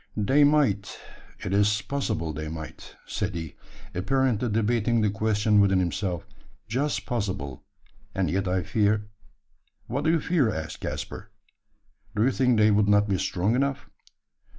"They might it is possible they might," said he, apparently debating the question within himself "just possible; and yet I fear " "What do you fear?" asked Caspar. "Do you think they would not be strong enough?"